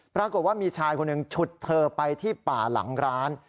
ปรากฏว่ามีชายคนหนึ่งฉุดเธอไปที่ป่าหลังร้าน